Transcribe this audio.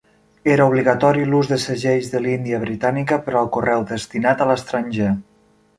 Era obligatori l'ús de segells de l'Índia britànica per al correu destinat a l'estranger.